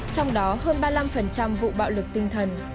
trong đó hơn ba mươi năm vụ bạo lực tinh thần